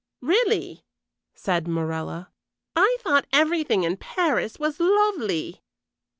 "Really," said Morella. "I thought everything in Paris was lovely."